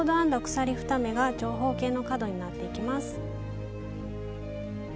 鎖２目が長方形の角になっていきます。